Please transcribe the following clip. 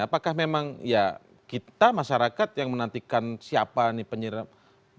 apakah memang ya kita masyarakat yang menantikan siapa nih penyiraman